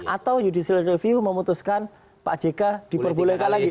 atau judicial review memutuskan pak jk diperbolehkan lagi